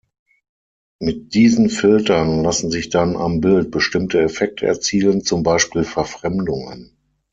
Mit diesen Filtern lassen sich dann am Bild bestimmte Effekte erzielen, zum Beispiel Verfremdungen.